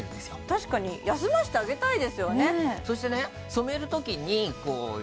確かに休ませてあげたいですよね